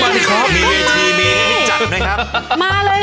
มีวิธีมีให้จับนะครับ